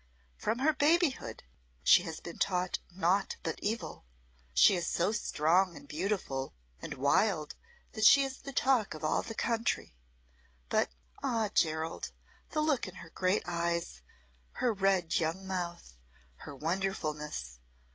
From her babyhood she has been taught naught but evil. She is so strong and beautiful and wild that she is the talk of all the country. But, ah, Gerald, the look in her great eyes her red young mouth her wonderfulness!